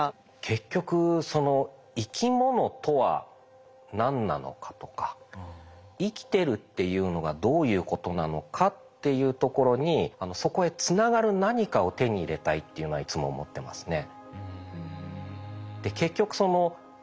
結局その生き物とは何なのかとか生きてるっていうのがどういうことなのかっていうところにそこへつながる何かを手に入れたいっていうのはいつも思ってますね。